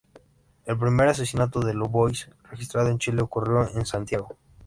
El primer asesinato de Dubois registrado en Chile ocurrió en Santiago.